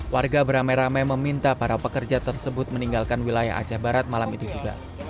warga beramai ramai meminta para pekerja tersebut meninggalkan wilayah aceh barat malam itu juga